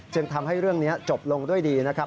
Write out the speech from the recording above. ทำให้เรื่องนี้จบลงด้วยดีนะครับ